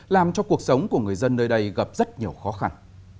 làm cho cuộc sống của người dân nơi đây gặp rất nhiều khó khăn